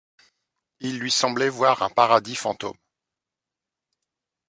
Il lui semblait voir un paradis fantôme.